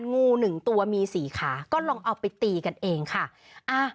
งู๑ตัวมี๔ขาก็ลองเอาไปตีกันเองค่ะ